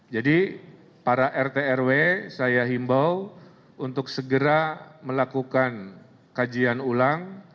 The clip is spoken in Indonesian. jadi para rtrw saya himbau untuk segera melakukan kajian ulang